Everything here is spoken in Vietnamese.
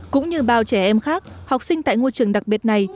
cũng như bao trẻ em khác học sinh tại ngôi trường đặc biệt này